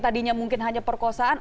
tadinya mungkin hanya perkosaan